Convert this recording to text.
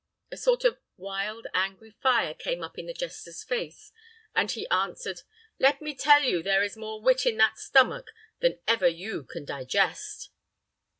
A sort of wild, angry fire came up in the jester's face, and he answered, "Let me tell you there is more wit in that stomach than ever you can digest."